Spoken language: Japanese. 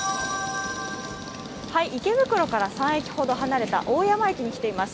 池袋から３駅ほど離れた大山駅に来ています。